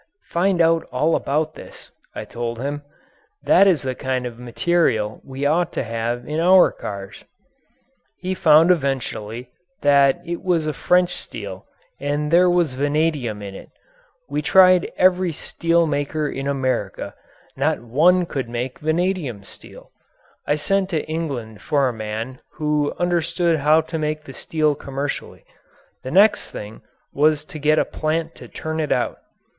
"Find out all about this," I told him. "That is the kind of material we ought to have in our cars." He found eventually that it was a French steel and that there was vanadium in it. We tried every steel maker in America not one could make vanadium steel. I sent to England for a man who understood how to make the steel commercially. The next thing was to get a plant to turn it out.